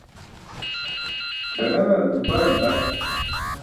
Ḍaḍaṅar nuparn naṭ